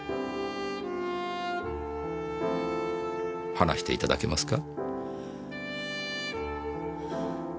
話していただけますか？